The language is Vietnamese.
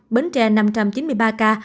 bến tre năm trăm chín mươi ba ca